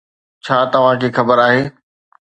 ڇا توهان کي خبر آهي